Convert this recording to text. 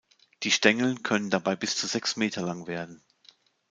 Die Stängel können dabei bis zu sechs Meter lang werden.